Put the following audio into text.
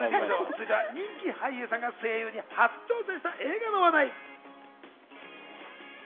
続いて、人気俳優さんが声優に初挑戦した映画の話題。